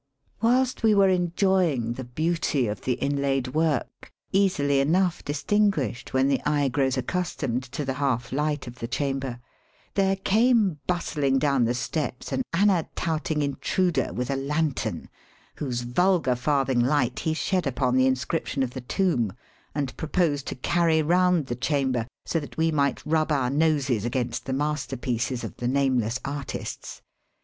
Whilst we were enjoying the beauty of the inlaid work, easily enough distinguished when the eye grows accustomed to the half light of the chamber, there came bustHng down the steps an anna touting intruder with a lantern, whose vulgar farthing Ught he shed upon the inscription of the tomb and proposed to carry round the chamber so that we might rub our noses against the masterpieces of the nameless artists.